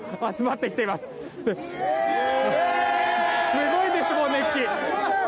すごいです、熱気！